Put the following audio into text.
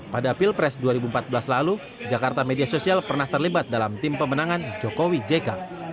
pada pilpres dua ribu empat belas lalu jakarta media sosial pernah terlibat dalam tim pemenangan jokowi jk